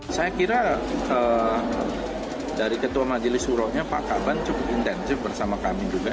saya kira dari ketua majelis suronya pak kaban cukup intensif bersama kami juga